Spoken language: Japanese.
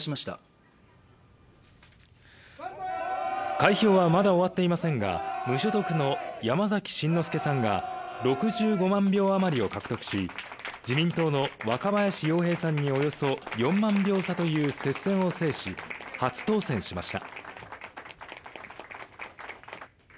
開票はまだ終わっていませんが、無所属の山崎真之輔さんが６５万票あまりを獲得し自民党の若林洋平さんにおよそ４万票差という接戦を制し、初当選しました。